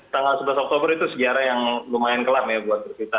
tanggal sebelas oktober itu sejarah yang lumayan kelam ya buat persita